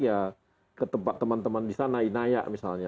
ya ke tempat teman teman di sana inaya misalnya